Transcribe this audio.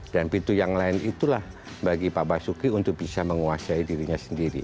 dan pintu yang lain itulah bagi pak basuki untuk bisa menguasai dirinya sendiri